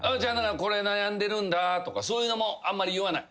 「これ悩んでるんだ」とかそういうのもあんまり言わない？